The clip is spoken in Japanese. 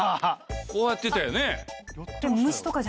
こうやってたよね。